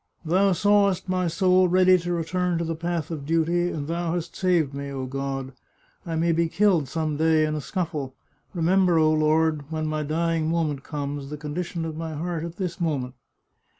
" Thou sawest my soul ready to return to the path of duty, and Thou hast saved me. O God, I may be killed some day in a scuffle. Remember, O Lord, when my dying moment comes, the condition of my heart at this moment."